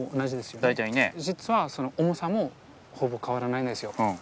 実はその重さもほぼ変わらないんですよ。